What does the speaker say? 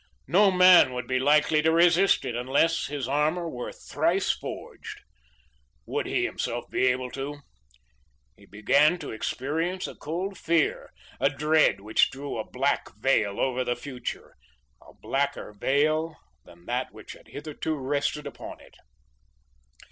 No man would be likely to resist it unless his armour were thrice forged. Would he himself be able to? He began to experience a cold fear, a dread which drew a black veil over the future; a blacker veil than that which had hitherto rested upon it.